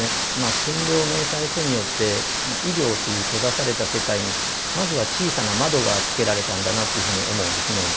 診療明細書によって「医療」という閉ざされた世界にまずは小さな窓がつけられたんだなというふうに思うんですね。